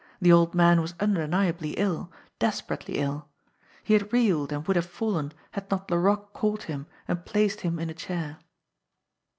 The old man was undeniably ill, desperately ill. He had reeled and would have fallen had not Laroque caught him and placed him in a* chair.